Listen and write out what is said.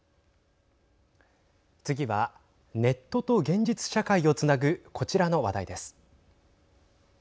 次はネットと現実社会をつなぐこちらの話題です。